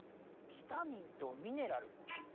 ビタミンとミネラル？